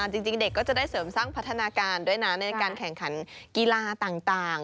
จริงเด็กก็จะได้เสริมสร้างพัฒนาการด้วยนะในการแข่งขันกีฬาต่าง